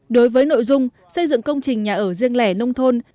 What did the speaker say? đối với nội dung xây dựng công trình nhà ở riêng lẻ nông thôn